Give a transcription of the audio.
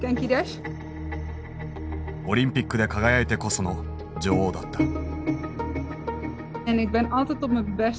オリンピックで輝いてこその女王だった。